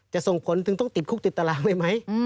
ส่งผลถึงต้องติดคุกติดตารางเลยไหม